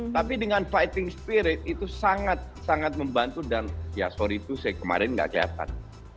tapi dengan fighting spirit itu sangat sangat membantu dan ya sorry to say kemarin tidak kelihatan